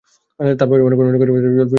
তারপর অনেকক্ষন কথা নেই, চলল পাতা ওলটানো।